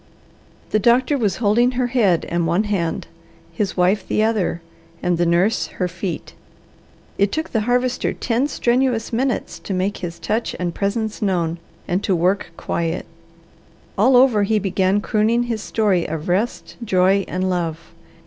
The doctor was holding her head and one hand, his wife the other, and the nurse her feet. It took the Harvester ten strenuous minutes to make his touch and presence known and to work quiet. All over he began crooning his story of rest, joy, and love.